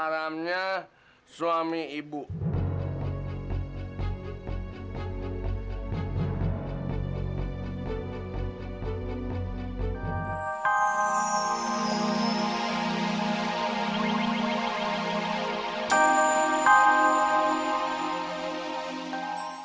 tapi akugil dia